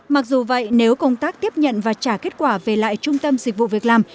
mặc dù vậy nếu công tác tiếp nhận và trả kết quả về lại trung tâm dịch vụ việc làm